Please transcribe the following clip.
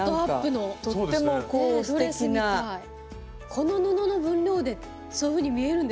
この布の分量でそういうふうに見えるんですね。